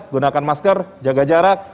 gunakan masker jaga jarak